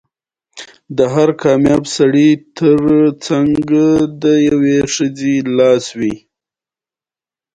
ملا صاحب ورته وویل چېرته یې وغورځوم ګلداد خانه.